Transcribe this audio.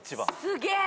すげえ！